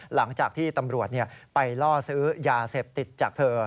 หลังจากที่ตำรวจไปล่อซื้อยาเสพติดจากเธอ